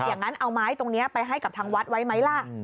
อย่างนั้นเอาไม้ตรงนี้ไปให้กับทางวัดไว้ไหมล่ะ